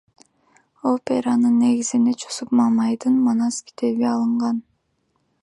Операнын негизине Жусуп Мамайдын Манас китеби алынган.